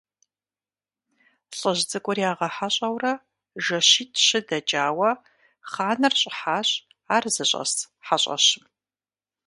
ЛӀыжь цӀыкӀур ягъэхьэщӀэурэ жэщитӀ-щы дэкӀауэ, хъаныр щӀыхьащ ар зыщӀэс хьэщӀэщым.